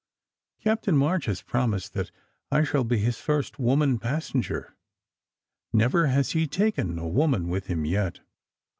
Captain March has promised that I shall be his first woman passenger. Never has he taken a woman with him yet."